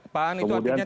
pak an itu artinya tadi